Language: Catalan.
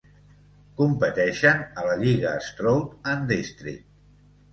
Competeixen a la Lliga Stroud and District.